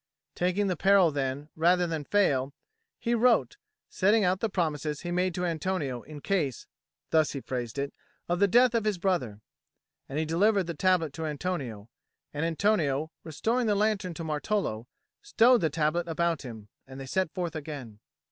Taking the peril then, rather than fail, he wrote, setting out the promises he made to Antonio in case (thus he phrased it) of the death of his brother. And he delivered the tablet to Antonio; and Antonio, restoring the lantern to Martolo, stowed the tablet about him, and they set forth again.